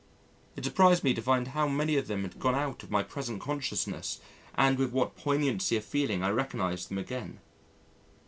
It surprised me to find how many of them had gone out of my present consciousness and with what poignancy of feeling I recognised them again!